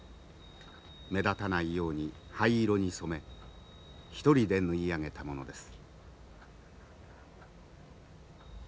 目立たないように灰色に染め一人で縫い上げたものです。